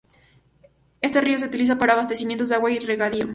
Este río se utiliza para abastecimiento de agua y regadío.